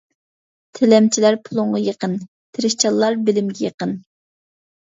تىلەمچىلەر پۇلۇڭغا يېقىن، تىرىشچانلار بىلىمگە يېقىن.